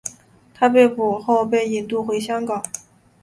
他被捕后被引渡回香港。